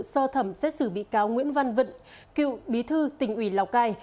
sơ thẩm xét xử bị cáo nguyễn văn vận cựu bí thư tỉnh ủy lào cai